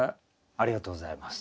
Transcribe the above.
ありがとうございます。